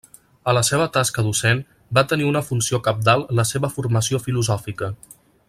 A la seva tasca docent va tenir una funció cabdal la seva formació filosòfica.